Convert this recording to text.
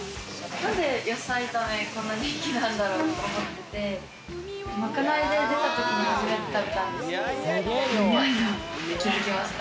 なんで野菜炒め、こんな人気なんだろう？と思って、まかないで出た時に頼んだんですけど、うまいって気づきました。